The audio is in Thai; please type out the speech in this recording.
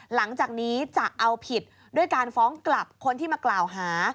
หลังจากนี้จะเอาผิดด้วยการฟ้องกลับคนที่มากล่าวหา